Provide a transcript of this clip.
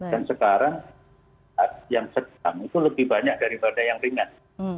dan sekarang yang sedang itu lebih banyak daripada yang ringan